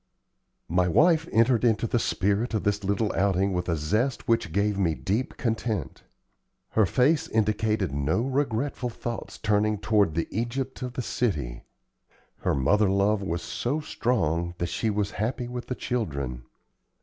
My wife entered into the spirit of this little outing with a zest which gave me deep content. Her face indicated no regretful thoughts turning toward the Egypt of the city; her mother love was so strong that she was happy with the children.